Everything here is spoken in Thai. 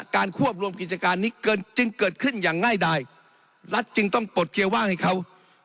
ควบรวมกิจการนี้จึงเกิดขึ้นอย่างง่ายดายรัฐจึงต้องปลดเกียร์ว่างให้เขา